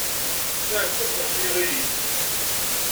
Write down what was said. Taɛekkazt ɣef yiɣil-is.